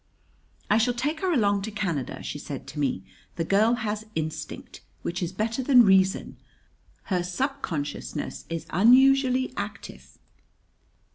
"I shall take her along to Canada," she said to me. "The girl has instinct, which is better than reason. Her subconsciousness is unusually active."